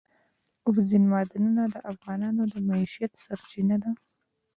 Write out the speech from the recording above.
اوبزین معدنونه د افغانانو د معیشت سرچینه ده.